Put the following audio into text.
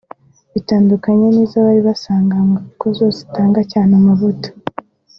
bitandukanye n’izo bari basanganywe kuko zo zatangaga cyane amavuta